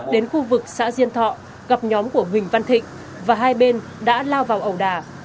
đến khu vực xã diên thọ gặp nhóm của huỳnh văn thịnh và hai bên đã lao vào ẩu đà